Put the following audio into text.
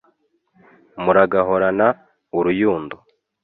muragahorana uruyundo